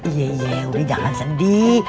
iya iya yang udah jangan sedih